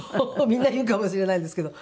みんな言うかもしれないんですけど。